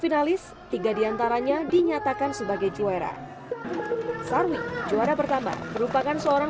finalis tiga diantaranya dinyatakan sebagai juara sarwi juara pertama merupakan seorang